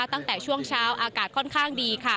ตั้งแต่ช่วงเช้าอากาศค่อนข้างดี